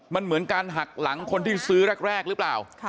มันเหมือนการหักหลังคนที่ซื้อแรกหรือเปล่า